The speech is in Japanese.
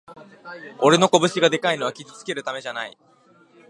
俺の拳がでかいのは傷つけるためじゃない